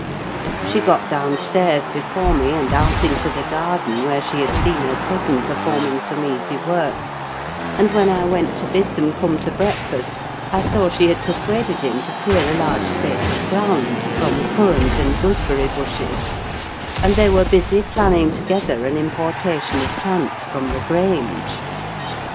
She got downstairs before me, and out into the garden, where she had seen her cousin performing some easy work; and when I went to bid them come to breakfast, I saw she had persuaded him to clear a large space of ground from currant and gooseberry bushes, and they were busy planning together an importation of plants from the Grange.